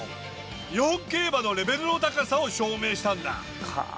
日本競馬のレベルの高さを証明したんだ。